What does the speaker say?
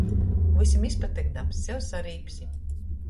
Vysim izpatykdams, sev sarībsi.